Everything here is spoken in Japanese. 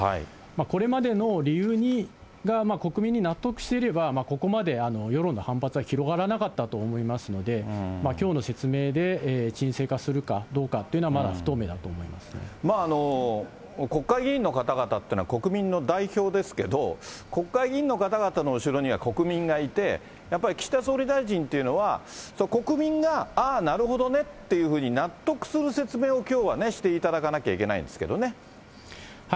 これまでの理由が国民に納得していれば、ここまで世論の反発は広がらなかったと思いますので、きょうの説明で沈静化するかどうかっていうのはまだ不透明だと思国会議員の方々ってのは国民の代表ですけど、国会議員の方々の後ろには国民がいて、やっぱり岸田総理大臣っていうのは、国民が、ああ、なるほどねって納得する説明をきょうはしていただかなきゃいけなそうですね。